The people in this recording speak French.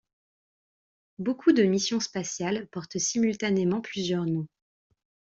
Beaucoup de missions spatiales portent simultanément plusieurs noms.